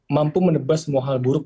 mampu menebas semua hal buruk